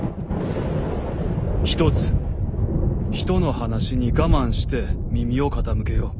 一つ人の話に我慢して耳を傾けよ。